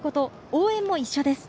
応援も一緒です。